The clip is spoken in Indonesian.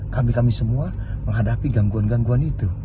kami kami semua menghadapi gangguan gangguan itu